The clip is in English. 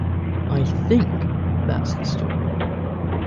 I "think" that's the story.